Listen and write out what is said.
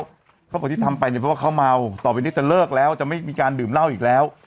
เขาบอกที่ทำไปเนี่ยเพราะว่าเขาเมาต่อไปนี้จะเลิกแล้วจะไม่มีการดื่มเหล้าอีกแล้ว